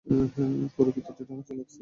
পুরো কৃতিত্বটা হচ্ছে অ্যালেক্সের!